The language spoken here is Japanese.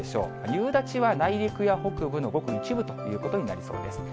夕立は内陸や北部のごく一部ということになりそうです。